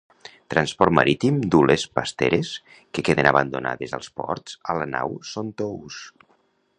Transport Marítim duu les pasteres que queden abandonades als ports a la nau SonTous